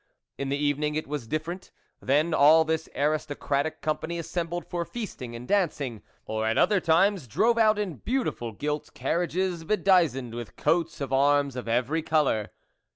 In the evening it was different; then all this aristocratic company assembled for feasting and dancing, or at other times drove out in beautiful gilt carriages bedizened with coats of arms of every colour.